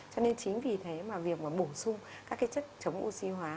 cho nên chính vì thế mà việc bổ sung các cái chất chống oxy hóa